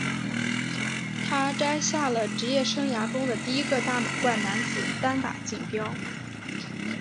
他摘下了职业生涯中的第一个大满贯男子单打锦标。